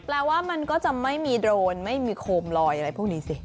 แปลว่ามันก็จะไม่มีโดรนไม่มีโคมลอยอะไรพวกนี้สิ